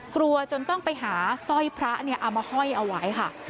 จนต้องไปหาสร้อยพระเอามาห้อยเอาไว้ค่ะ